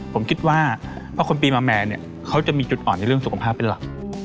ผมคิดว่าเพราะคนปีมาแมนเนี่ยเขาจะมีจุดอ่อนในเรื่องสุขภาพเป็นหลัก